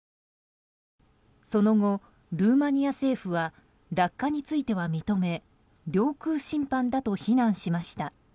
その後、ルーマニア政府は落下については認め領空侵犯だと非難しました。